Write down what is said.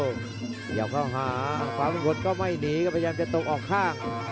เกี่ยวเข้าหาฟ้ามงคลก็ไม่หนีก็พยายามจะตกออกข้าง